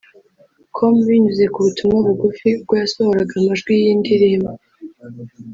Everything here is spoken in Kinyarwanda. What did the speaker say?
com binyuze ku butumwa bugufi ubwo yasohoraga amajwi y'iyi ndirimbo